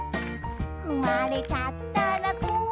「ふまれちゃったらこわれちゃう」